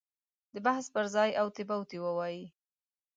د بحث پر ځای اوتې بوتې ووایي.